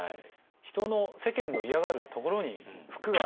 「人の世間の嫌がるところに福がある」。